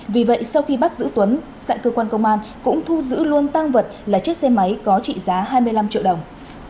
vì vậy sau khi bắt giữ tuấn tại cơ quan công an cũng thu giữ luôn tăng vật là chiếc xe máy có trị giá hai mươi năm triệu đồng